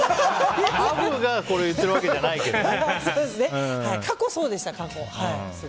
アブが言ってるわけじゃないけどね。